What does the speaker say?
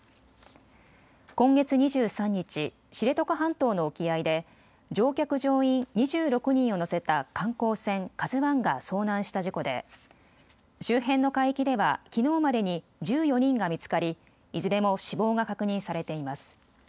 今月２３日、知床半島の沖合で乗客・乗員２６人を乗せた観光船ＫＡＺＵが遭難した事故で周辺の海域ではきのうまでに１４人が見つかりいずれも死亡が確認されています。